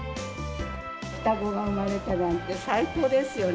双子が産まれたなんて最高ですよね。